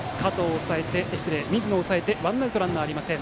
水野、押さえてワンアウトランナーありません。